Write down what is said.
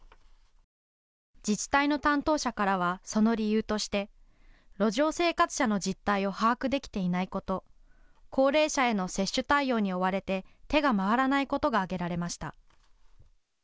自治体の担当者からはその理由として、路上生活者の実態を把握できていないこと、高齢者への接種対応に追われて手が回らないことが挙げられました。